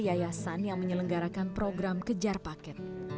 mereka ke yayasan yang menyelenggarakan program kejar paket